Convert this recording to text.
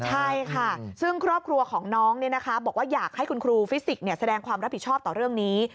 ใช่ค่ะซึ่งครอบครัวของน้องบอกว่าอยากให้คุณครูฟิสิกส์แสดงความรับผิดชอบต่อเรื่องนี้